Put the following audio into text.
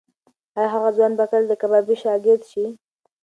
ایا هغه ځوان به کله د کبابي شاګرد شي؟